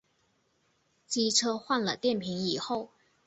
机车换了电瓶以后